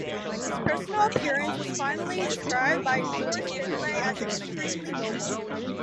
His personal appearance was described by George Finlay as "extremely noble".